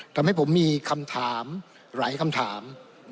ทำให้ผมมีคำถามหลายคำถาม